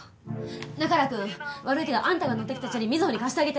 中原くん悪いけどあんたが乗ってきたチャリ瑞穗に貸してあげて。